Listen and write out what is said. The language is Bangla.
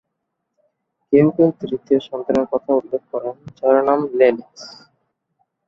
কেউ কেউ তৃতীয় সন্তানের কথা উল্লেখ করেন যার নাম লেলেক্স।